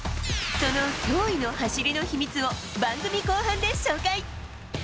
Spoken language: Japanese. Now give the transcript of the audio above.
その驚異の走りの秘密を番組後半で紹介。